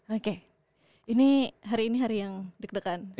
oke ini hari ini hari yang deg degan